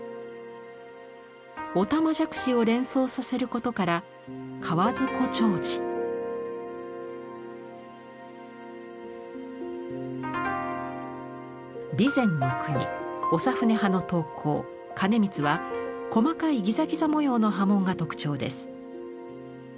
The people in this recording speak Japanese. おたまじゃくしを連想させることから備前国長船派の刀工兼光は細かいギザギザ模様の刃文が特徴です。